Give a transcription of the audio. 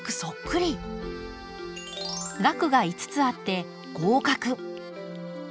萼が５つあって合格。